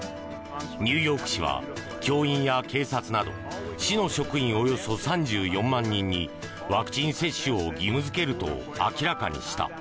ニューヨーク市は教員や警察など市の職員およそ３４万人にワクチン接種を義務付けると明らかにした。